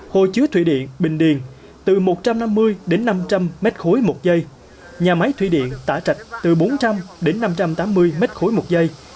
hồ chứa thủy điện bình điền từ một trăm năm mươi đến năm trăm linh m ba một giây nhà máy thủy điện tả trạch từ bốn trăm linh đến năm trăm tám mươi m ba một giây